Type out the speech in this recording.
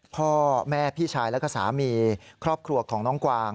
พ่อแม่พี่ชายแล้วก็สามีครอบครัวของน้องกวาง